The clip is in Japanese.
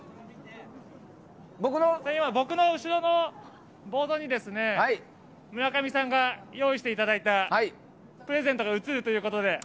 僕の後ろのボードに、村上さんが用意していただいたプレゼントが映るということで。